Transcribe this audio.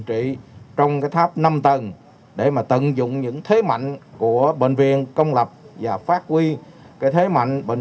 trị trong tháp năm tầng để tận dụng những thế mạnh của bệnh viện công lập và phát huy thế mạnh bệnh